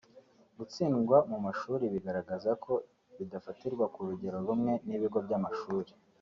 gutsindwa mu ishuri biragaragara ko bidafatirwa ku rugero rumwe n’ibigo by’amashuri